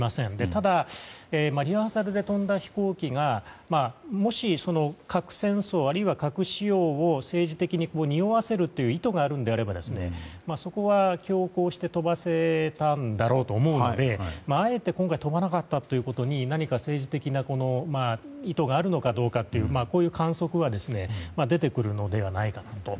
ただ、リハーサルで飛んだ飛行機がもし、核戦争、あるいは核使用を政治的ににおわせるという意図があるのであればそこは強行して飛ばせたんだろうと思うのであえて今回飛ばなかったということに何か、政治的な意図があるのかどうかというこういう観測は出てくるのではないかと。